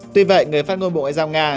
tuy vậy người phát ngôn bộ ngoại giao nga